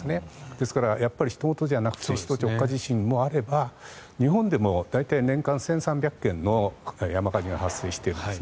ですから、ひと事じゃなくて首都直下地震もあれば日本でも大体年間１３００件の山火事が発生しているんです。